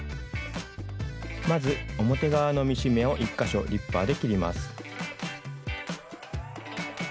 まず表側のミシン目を１か所リッパーで切ります。